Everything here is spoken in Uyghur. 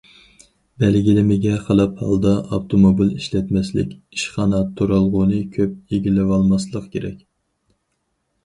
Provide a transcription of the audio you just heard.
بەلگىلىمىگە خىلاپ ھالدا ئاپتوموبىل ئىشلەتمەسلىك، ئىشخانا، تۇرالغۇنى كۆپ ئىگىلىۋالماسلىق كېرەك.